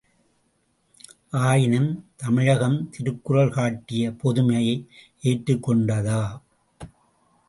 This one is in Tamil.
ஆயினும் தமிழகம், திருக்குறள் காட்டிய பொதுமையை ஏற்றுக்கொண்டதா?